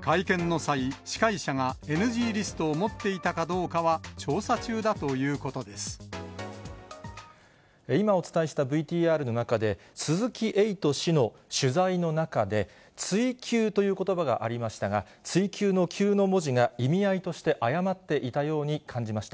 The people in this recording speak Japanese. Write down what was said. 会見の際、司会者がＮＧリストを持っていたかどうかは調査中だということで今、お伝えしたＶＴＲの中で、鈴木エイト氏の取材の中で、ついきゅうということばがありましたが、ついきゅうのきゅうの文字が、意味合いとして誤っていたように感じました。